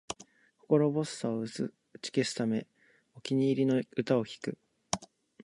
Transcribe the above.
心細さを打ち消すため、お気に入りの歌を聴く